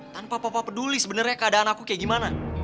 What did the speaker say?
tanpa papa peduli sebenarnya keadaan aku kayak gimana